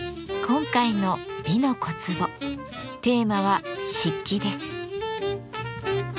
今回の「美の小壺」テーマは「漆器」です。